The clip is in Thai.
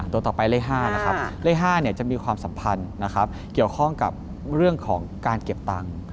ตัวต่อไปเลข๕นะครับเลข๕จะมีความสัมพันธ์นะครับเกี่ยวข้องกับเรื่องของการเก็บตังค์